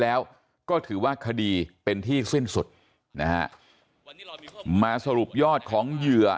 แล้วก็ถือว่าคดีเป็นที่สิ้นสุดนะฮะมาสรุปยอดของเหยื่อ